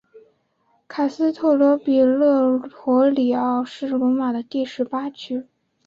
卡斯特罗比勒陀里奥是罗马的第十八区。